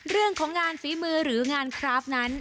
เรื่องของงานฝีมือหรืองานคราฟนั้น